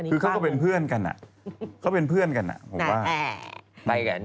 คือเขาก็เป็นเพื่อนกันอ่ะเขาเป็นเพื่อนกันผมว่าไปกัน